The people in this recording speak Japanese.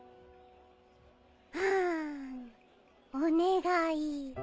うんお願い。